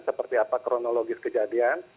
seperti apa kronologis kejadian